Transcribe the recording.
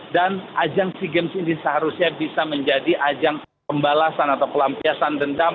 dan ajang sea games ini seharusnya bisa menjadi ajang pembalasan atau pelampiasan dendam